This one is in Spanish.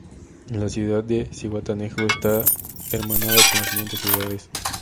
La ciudad de Zihuatanejo está hermanada con las siguientes ciudades.